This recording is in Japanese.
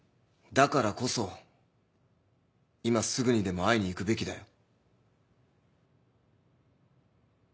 だからこそ今すぐにでも会いに行くべきだよ。